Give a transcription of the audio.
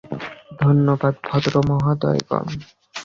ধন্যবাদ, ভদ্রমহোদয়গণ।